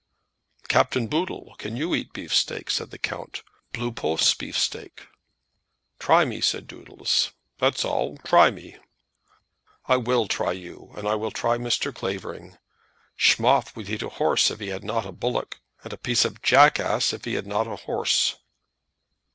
"Captain Boodle, can you eat beefsteak," said the count; "Blue Posts' beefsteak?" "Try me," said Doodles. "That's all. Try me." "I will try you, and I will try Mr. Clavering. Schmoff would eat a horse if he had not a bullock, and a piece of a jackass if he had not a horse."